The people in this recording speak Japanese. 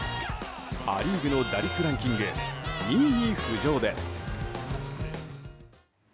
ア・リーグの打率ランキング２位に浮上です。